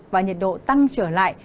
và nhiệt độ tăng trở lại